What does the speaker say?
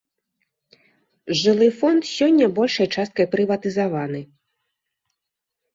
Жылы фонд сёння большай часткай прыватызаваны.